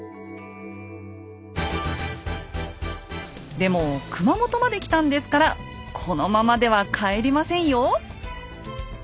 でも熊本まで来たんですからこのままでは帰りませんよ！